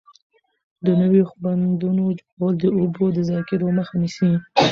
د نويو بندونو جوړول د اوبو د ضایع کېدو مخه نیسي.